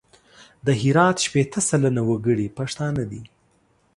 د هرات شپېته سلنه وګړي پښتانه دي.